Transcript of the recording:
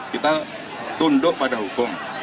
kita tunduk pada hukum